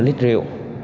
một mươi lít rượu